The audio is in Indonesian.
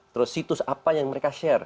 terus situs apa yang mereka share